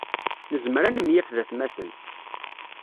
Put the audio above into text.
Nezmer ad nemyaf d atmaten.